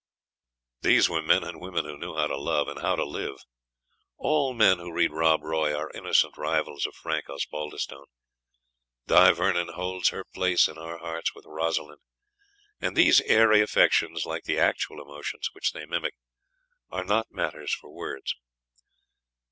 These were men and women who knew how to love, and how to live. All men who read "Rob Roy" are innocent rivals of Frank Osbaldistone. Di Vernon holds her place in our hearts with Rosalind, and these airy affections, like the actual emotions which they mimic, are not matters for words.